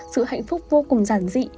sự hạnh phúc vô cùng giản dị